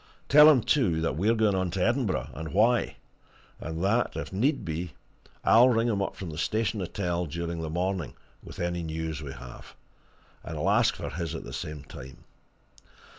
Tell him, too, that we're going on to Edinburgh, and why, and that, if need be, I'll ring him up from the Station Hotel during the morning with any news we have, and I'll ask for his at the same time.